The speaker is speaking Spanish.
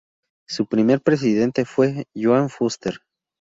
Su primer presidente fue Joan Fuster.